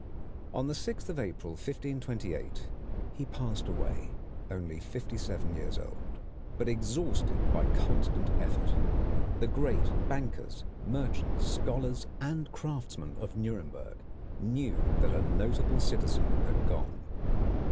On the 6th of April, 1528, he passed away, only fifty seven years old, but exhausted by constant effort. The great bankers, merchants, scholars, and craftsmen of Nuremberg knew that a notable citizen had gone.